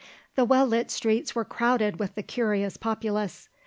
The well lit streets were crowded with the curious populace.